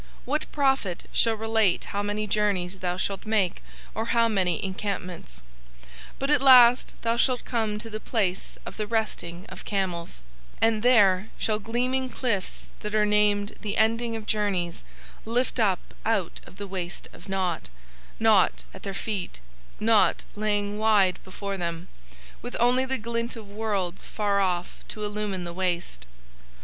What prophet shall relate how many journeys thou shalt make or how many encampments? But at last thou shalt come to the place of The Resting of Camels, and there shall gleaming cliffs that are named The Ending of Journeys lift up out of the Waste of Nought, Nought at their feet, Nought laying wide before them, with only the glint of worlds far off to illumine the Waste.